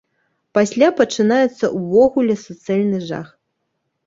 Пасля пачынаецца ўвогуле суцэльны жах.